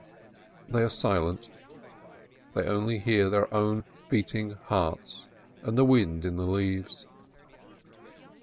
They are silent, they only hear their own beating hearts and the wind in the leaves.